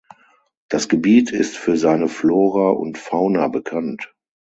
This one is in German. Das Gebiet ist für seine Flora und Fauna bekannt.